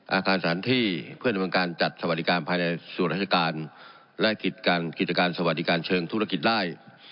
อาคารสถานที่เพื่อดำเนินการจัดสวัสดิการภายในส่วนราชการและกิจการกิจการสวัสดิการเชิงธุรกิจได้